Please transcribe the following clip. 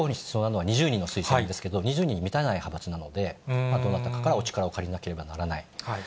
立候補に必要なのは２０人なんですが、２０人に満たない派閥ですので、どなたかからのお力を借りなければならない。